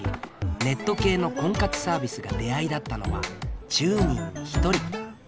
ネット系の婚活サービスが出会いだったのは１０人に１人。